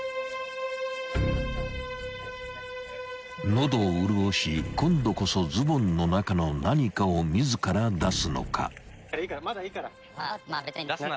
［喉を潤し今度こそズボンの中の何かを自ら出すのか？］